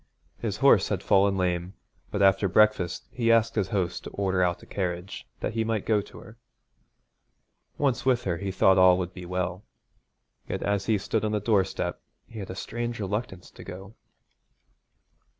His horse had fallen lame, but after breakfast he asked his host to order out a carriage that he might go to her. Once with her he thought all would be well. Yet as he stood on the doorstep he had a strange reluctance to go.